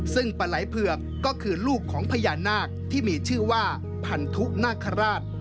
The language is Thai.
ซึ่งปลาไหล่เผือกก็คือลูกของพญานาคที่มีชื่อว่าพันธุนาคาราช